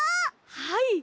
はい。